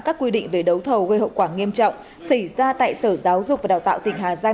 các quy định về đấu thầu gây hậu quả nghiêm trọng xảy ra tại sở giáo dục và đào tạo tỉnh hà giang